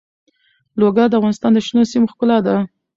لوگر د افغانستان د شنو سیمو ښکلا ده.